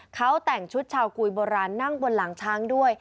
เขาแต่งชุดชาวกุยโบราณนั่งบนหลังช้างด้วย